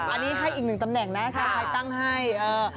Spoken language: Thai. อันนี้ให้อีกหนึ่งตำแหน่งนะชาวไทยตั้งให้เออ